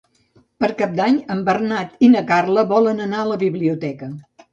Per Cap d'Any en Bernat i na Carla volen anar a la biblioteca.